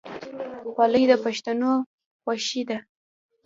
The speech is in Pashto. خولۍ د پښتنو خوښي ده.